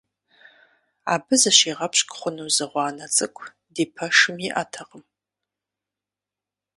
Абы зыщигъэпщкӀу хъуну зы гъуанэ цӀыкӀу ди пэшым иӀэтэкъым.